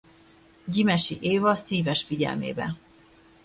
Gyimesi Éva szíves figyelmébe.